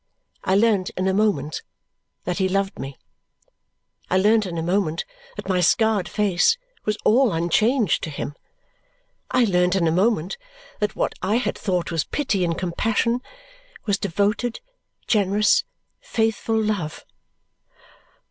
I learned in a moment that he loved me. I learned in a moment that my scarred face was all unchanged to him. I learned in a moment that what I had thought was pity and compassion was devoted, generous, faithful love.